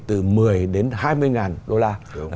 từ một mươi đến hai mươi ngàn đô la